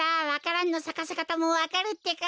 蘭のさかせかたもわかるってか？